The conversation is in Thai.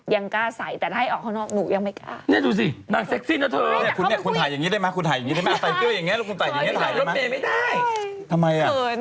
ยังกล้าใส่แต่ถ้าให้ออกให้หนูยังไม่กล้า